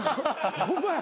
ホンマや。